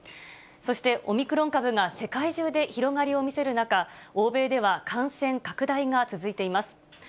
そしてオミクロン株が世界中で広がりを見せる中、欧米では感染拡大が続いています。